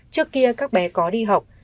trước kia các bé có đi học